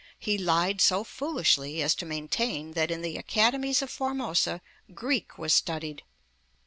He lied so foolishly as to maintain that in the Academies of Formosa Greek was studied (p.